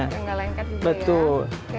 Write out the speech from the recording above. yang tidak lengket juga ya